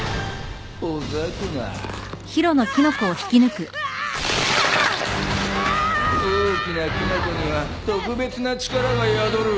大きなキノコには特別な力が宿る。